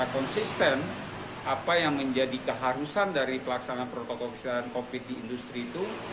dan konsisten apa yang menjadi keharusan dari pelaksanaan protokol kesehatan covid sembilan belas di industri itu